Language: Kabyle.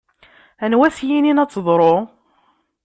Anwa ara s-yinin ad teḍṛu?